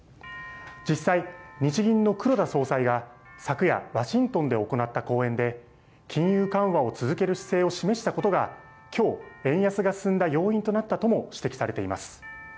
実際、日銀の黒田総裁が、昨夜、ワシントンで行った講演で、金融緩和を続ける姿勢を示したことが、きょう、円安が進んだ要因となったとも指摘されています。